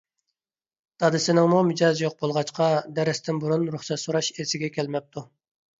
دادىسىنىڭمۇ مىجەزى يوق بولغاچقا، دەرستىن بۇرۇن رۇخسەت سوراش ئېسىگە كەلمەپتۇ.